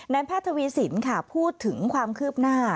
แพทย์ทวีสินค่ะพูดถึงความคืบหน้า